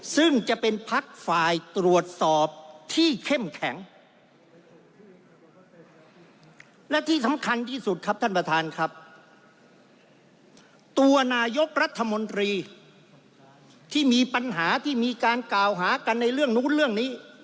ซึ่งจะเป็นพักฝ่ายตรวจสอบที่เข้มแข็ง